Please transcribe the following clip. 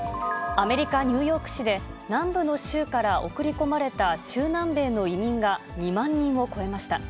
アメリカ・ニューヨーク市で、南部の州から送り込まれた中南米の移民が２万人を超えました。